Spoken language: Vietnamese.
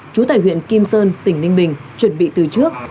chú tài huyện kim sơn tỉnh ninh bình chuẩn bị từ trước